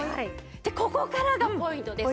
でここからがポイントです。